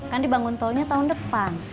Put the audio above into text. kan dibangun tolnya tahun depan